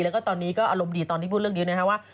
แล้วก็ตอนนี้ก็อารมณ์ดีตอนที่พูดเรื่องนี้นะครับว่า